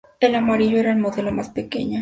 El "Amarillo" era el modelo más pequeño.